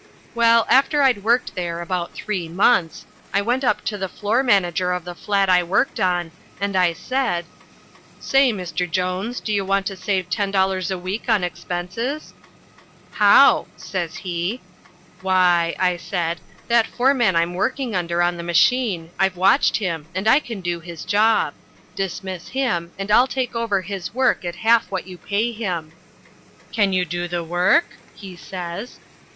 Well, after I'd worked there about three months, I went up to the floor manager of the flat I worked on, and I said, "Say, Mr. Jones, do you want to save ten dollars a week on expenses?" "How?" says he. "Why," I said, "that foreman I'm working under on the machine, I've watched him, and I can do his job; dismiss him and I'll take over his work at half what you pay him." "Can you do the work?" he says.